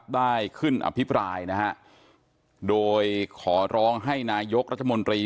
ได้ขึ้นอภิปรายนะฮะโดยขอร้องให้นายกรัฐมนตรี